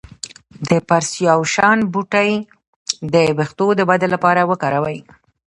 د پرسیاوشان بوټی د ویښتو د ودې لپاره وکاروئ